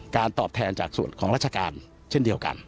ตอบแทนจากส่วนของราชการเช่นเดียวกัน